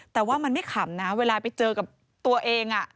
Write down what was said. แต่ว่ามันไม่ขำนะเวลาไปเจอกับตัวเอง